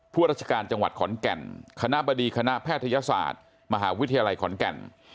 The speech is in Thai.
ราชการจังหวัดขอนแก่นคณะบดีคณะแพทยศาสตร์มหาวิทยาลัยขอนแก่น